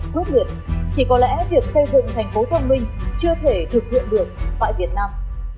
quyết liệt thì có lẽ việc xây dựng thành phố thông minh chưa thể thực hiện được tại việt nam